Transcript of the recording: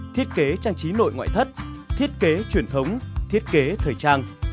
thiết kế trang trí nội ngoại thất thiết kế truyền thống thiết kế thời trang